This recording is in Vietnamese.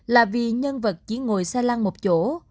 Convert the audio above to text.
là vì nhân vật chỉ ngồi xe lăng một chỗ